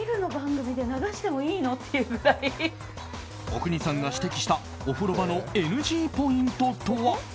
阿国さんが指摘したお風呂場のＮＧポイントとは？